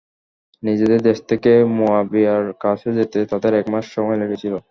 নিজেদের দেশ থেকে মুআবিয়ার কাছে যেতে তাদের এক মাস সময় লেগেছিল।